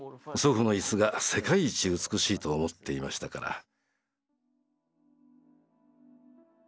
祖父の椅子が世界一美しいと思っていましたから。